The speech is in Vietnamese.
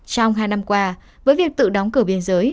trong hai năm qua với việc tự đóng cửa biên giới